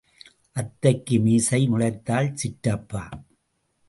அத்தைக்கு மீசை முளைத்தால் சிற்றப்பா.